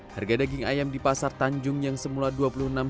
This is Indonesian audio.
harga daging ayam di pasar tanjung yang semula rp dua puluh enam